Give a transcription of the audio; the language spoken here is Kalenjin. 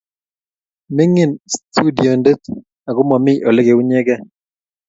Mining studioit ago mami olegeunyege